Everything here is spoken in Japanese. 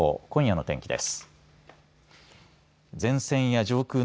あすの天気です。